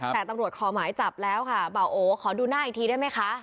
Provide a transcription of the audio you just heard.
แต่ตำรวจขอหมายจับแล้วค่ะเบาโอขอดูหน้าอีกทีได้ไหมคะ